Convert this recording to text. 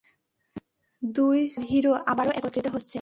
দুই সুপারহিরো আবারও একত্রিত হচ্ছে!